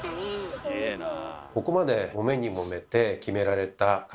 すげえなあ。